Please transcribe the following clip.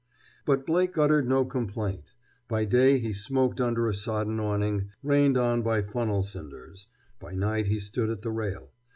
But Blake uttered no complaint. By day he smoked under a sodden awning, rained on by funnel cinders. By night he stood at the rail.